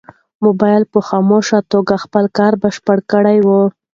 موبایل په خاموشه توګه خپل کار بشپړ کړی و.